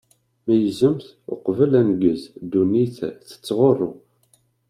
Meyyzemt uqbel aneggez, ddunit tettɣuṛṛu!